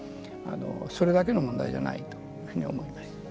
それだけの問題じゃないというふうに思います。